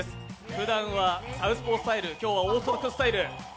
ふだんはサウスポースタイル、今回はオーソドックススタイル。